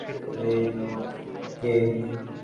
এই লোক কে?